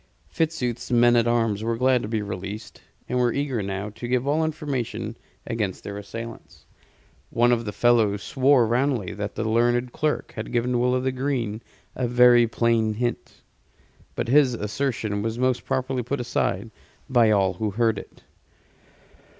Fitzooth's men at arms were glad to be released, and were eager now to give all information against their assailants. One of the fellows swore roundly that the learned clerk had given Will o' th' Green a very plain hint; but this assertion was most properly put aside by all who heard it.